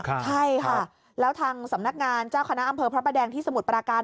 ใช่ค่ะแล้วทางสำนักงานเจ้าคณะอำเภอพระประแดงที่สมุทรปราการ